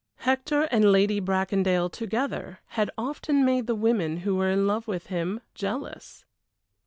Hector and Lady Bracondale together had often made the women who were in love with him jealous.